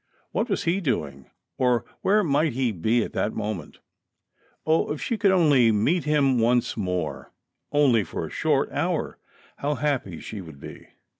What was he doing, or where might he be, at that moment ! O, if she could only meet him once more, only for a short hour, how happy she would be